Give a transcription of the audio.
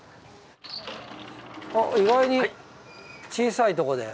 あっ意外に小さいとこで。